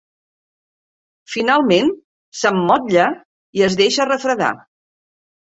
Finalment, s'emmotlla i es deixa refredar.